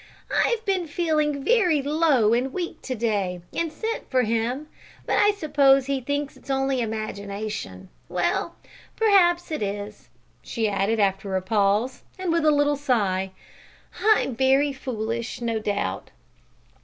"I've been feeling very low and weak to day, and sent for him; but I suppose he thinks it's only imagination. Well, well, perhaps it is," she added, after a pause, and with a little sigh. "I'm very foolish, no doubt."